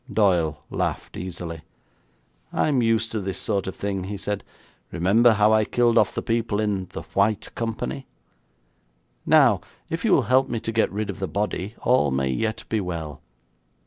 Doyle laughed easily. 'I'm used to this sort of thing,' he said. 'Remember how I killed off the people in "The White Company". Now, if you will help me to get rid of the body, all may yet be well.